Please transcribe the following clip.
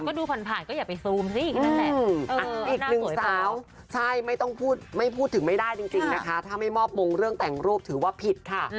ก็ดูขวัญผ่านก็อย่าไปซูมสิอีกนึงสาวไม่ต้องพูดถึงไม่ได้จริงถ้าไม่มอบมงค์เรื่องแต่งรูปถือว่าผิดค่ะ